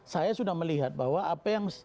saya sudah melihat bahwa apa yang